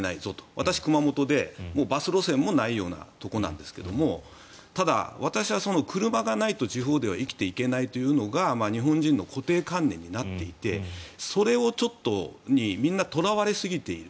私、熊本でバス路線もないところですが私は車がないと地方では生きていけないというのが日本人の固定観念になっていてそれにとらわれすぎている。